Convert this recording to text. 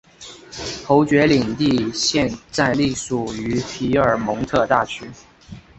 侯爵领地现在隶属于皮埃蒙特大区。